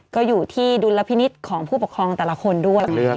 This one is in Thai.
ก็อยู่ที่ดุลพินิษฐ์ของผู้ปกครองแต่ละคนด้วย